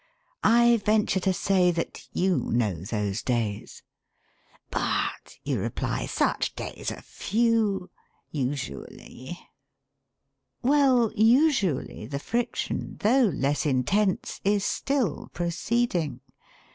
I venture to say that you know those days. 'But,' you reply, 'such days are few. Usually...!' Well, usually, the friction, though less intense, is still proceeding.